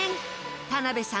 田辺さん